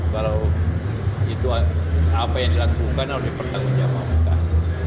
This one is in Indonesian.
kalau itu apa yang dilakukan harus dipertanggungjawabkan